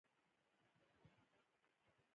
جنرال راسګونوف چوپ پاتې وو.